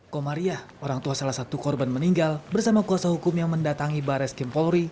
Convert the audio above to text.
komariah orang tua salah satu korban meninggal bersama kuasa hukum yang mendatangi bares krim polri